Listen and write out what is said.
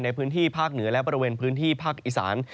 ในพื้นที่ภาคเหนือและพรุ่งภาคอีสาน